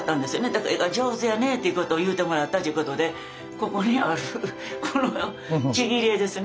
だから「絵が上手やね」っていうことを言うてもらったっちゅうことでここにあるこのちぎり絵ですね。